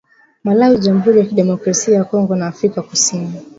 Malawi jamhuri ya kidemokrasia ya Kongo na Afrika kusini